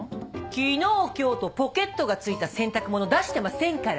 昨日今日とポケットが付いた洗濯物出してませんから。